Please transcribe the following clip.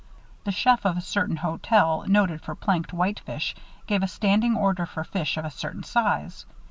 The chef of a certain hotel noted for planked whitefish gave a standing order for fish of a certain size.